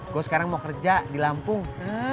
go sekarenk mau kerja di lampung